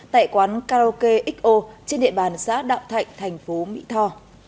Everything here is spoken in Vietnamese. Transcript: tại quán karaoke xo trên địa bàn xã đạo thạnh thành phố mỹ tho